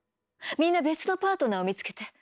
みんな別のパートナーを見つけて